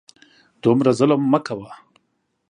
دومره ظلم مه کوه !